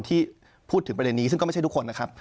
ที่พูดถึงประเด็นนี้ซึ่งก็ไม่ใช่ทุกคนนะครับ